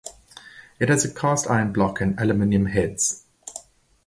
It has a cast iron block and aluminum heads.